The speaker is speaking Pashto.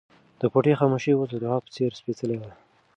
د کوټې خاموشي اوس د دعا په څېر سپېڅلې وه.